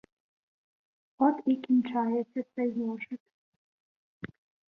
От і кінчається цей зошит.